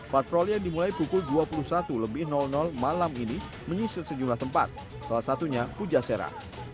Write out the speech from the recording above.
patroli yang dimulai pukul dua puluh satu lebih malam ini menyisir sejumlah tempat salah satunya pujasera